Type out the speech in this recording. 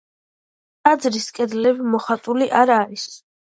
ტაძრის კედლები მოხატული არ არის.